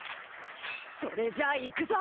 それじゃあいくぞ！